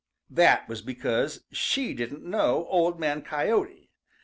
That was because she didn't know Old Man Coyote.